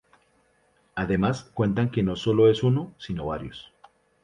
Además, cuentan que no solo es uno, sino varios.